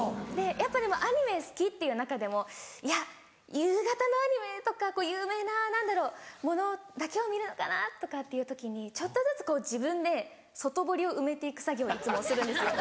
やっぱでもアニメ好きっていう中でもいや夕方のアニメとか有名なものだけを見るのかな？とかっていう時にちょっとずつ自分で外堀を埋めて行く作業をいつもするんですよ。